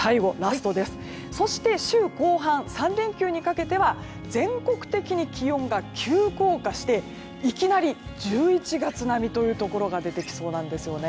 そして、週後半３連休にかけては全国的に気温が急降下していきなり１１月並みというところが出てきそうなんです。